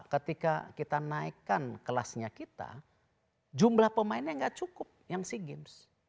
ketika kita naikkan kelasnya kita jumlah pemainnya nggak cukup yang sea games